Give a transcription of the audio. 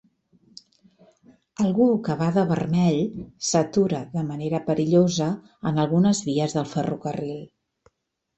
Algú que va de vermell s'atura de manera perillosa en algunes vies del ferrocarril